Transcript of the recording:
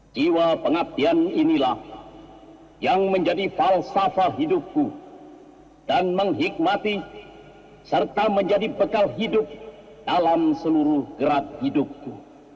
jiwa pengabdian inilah yang menjadi falsafah hidupku dan menghikmati serta menjadi bekal hidup dalam seluruh gerak hidupku